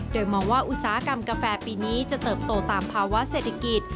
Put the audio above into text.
โดยมองว่าอุตสาหกรรมกาแฟปีนี้จะเติบโตตามภาวะเศรษฐกิจ